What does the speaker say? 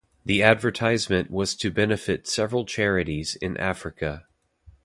The advertisement was to benefit several charities in Africa.